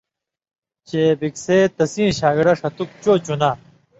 چےۡ بِکسے تسیں شاگڑہ ݜتک چو چِن٘داں